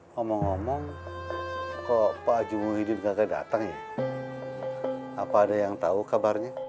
ngomong ngomong kok pak jumuhidin tidak datang ya apa ada yang tahu kabarnya